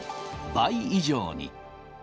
倍以上に。